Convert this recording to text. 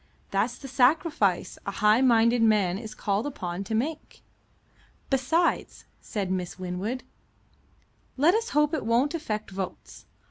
That's the sacrifice a high minded man is called upon to make." "Besides," said Miss Winwood, "let us hope it won't affect votes.